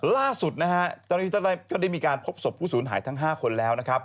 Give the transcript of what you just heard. ล่าสุดก็ได้มีการพบศพผู้ศูนย์หายตั้ง๕คนแล้วนะครับ